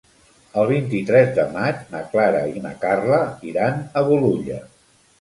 El vint-i-tres de maig na Clara i na Carla iran a Bolulla.